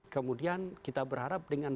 kemudian kita berharap dengan